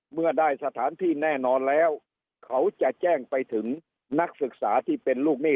เมื่อได้สถานที่แน่นอนแล้วเขาจะแจ้งไปถึงนักศึกษาที่เป็นลูกหนี้